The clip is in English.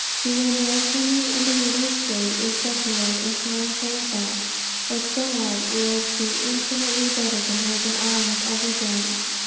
She will mourn for me, and a widow's state is desolate and sorrowful at best. But God will he infinitely better to her, than I have ever been.'